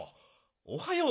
おはよう。